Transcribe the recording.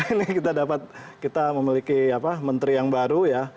ini kita dapat kita memiliki menteri yang baru ya